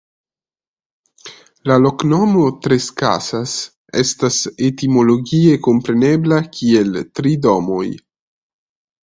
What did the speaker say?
La loknomo "Trescasas" estas etimologie komprenebla kiel Tri Domoj.